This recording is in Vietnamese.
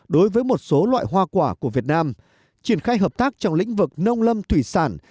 đối với một số loại hoa quả của việt nam triển khai hợp tác trong lĩnh vực nông lâm thủy sản